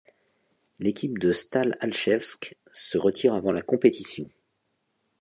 L'équipe de Stal Alchevsk se retire avant la compétition.